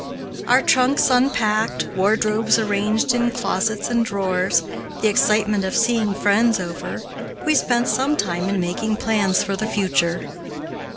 Our trunks unpacked, wardrobes arranged in closets and drawers, the excitement of seeing friends over, we spent some time in making plans for the future.